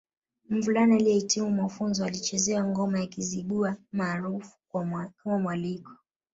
Mvulana aliyehitimu mafunzo alichezewa ngoma ya Kizigua maarufu kama Mwaliko